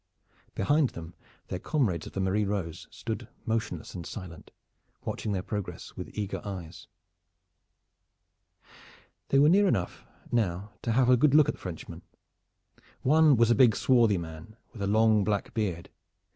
Behind them their comrades of the Marie Rose stood motionless and silent, watching their progress with eager eyes. They were near enough now to have a good look at the Frenchmen. One was a big swarthy man with a long black beard.